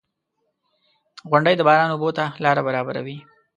• غونډۍ د باران اوبو ته لاره برابروي.